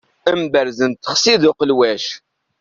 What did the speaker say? Amberrez n tixsi d uqelwac.